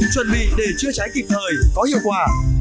chuẩn bị để chữa cháy kịp thời có hiệu quả